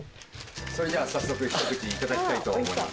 それでは早速ひと口いただきたいと思います。